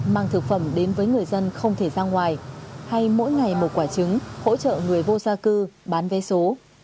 mang thực phẩm đến với người dân không thể ra ngoài hay mỗi ngày một quả trứng hỗ trợ người vô gia cư bán vé số